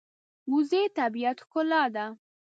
وزې د طبیعت ښکلا ده